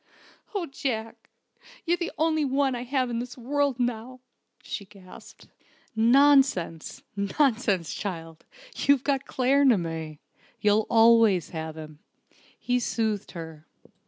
"Oh, Jack, you're the only one I have in the world now!" she gasped. "Nonsense, nonsense, child. You've got Claremanagh. You'll always have him," he soothed her.